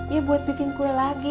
ya buat bikin kue lagi